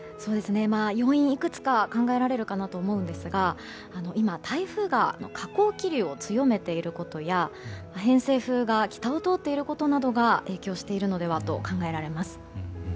要因はいくつか考えられると思うんですが今、台風が下降気流を強めていることや偏西風が北を通っていることなどが影響しているのではと考えられます。